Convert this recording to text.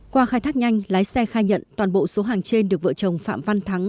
qua khai thác nhanh lái xe khai nhận toàn bộ số hàng trên được vợ chồng phạm văn thắng